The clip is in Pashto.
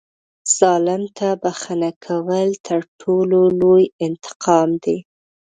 ظالم ته بښنه کول تر ټولو لوی انتقام دی.